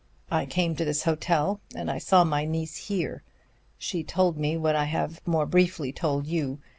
I came to this hotel, and I saw my niece here. She told me what I have more briefly told you.